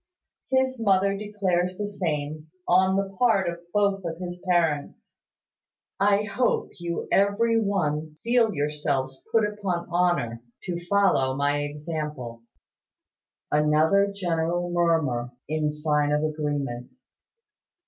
His mother declares the same, on the part of both of his parents. I hope you will every one feel yourselves put upon honour, to follow my example." Another general murmur, in sign of agreement.